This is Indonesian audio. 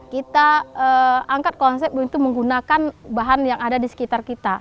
kita angkat konsep untuk menggunakan bahan yang ada di sekitar kita